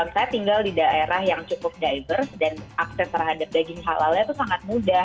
saya tinggal di daerah yang cukup diverse dan akses terhadap daging halalnya itu sangat mudah